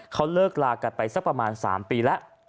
เขาเลิกลากันไปสักประมาณ๓ปีแล้ว